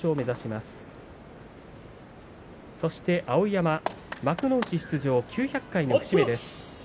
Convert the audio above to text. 碧山、幕内出場９００回の節目です。